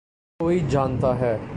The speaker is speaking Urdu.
کوئی جانتا ہے۔